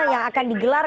yang akan digelar